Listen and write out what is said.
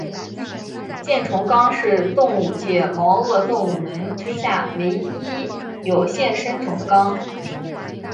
箭虫纲是动物界毛颚动物门之下唯一有现生种的纲。